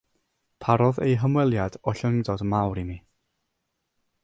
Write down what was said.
Parodd eu hymweliad ollyngdod mawr i mi.